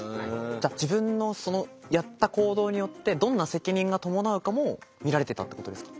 じゃあ自分のやった行動によってどんな責任が伴うかも見られてたってことですか。